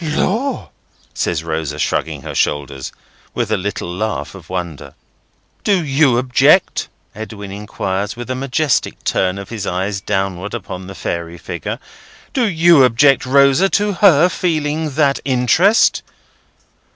"Lor!" says Rosa, shrugging her shoulders, with a little laugh of wonder. "Do you object," Edwin inquires, with a majestic turn of his eyes downward upon the fairy figure: "do you object, Rosa, to her feeling that interest?"